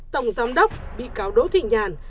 tổng giám đốc bị cáo đỗ thị nhàn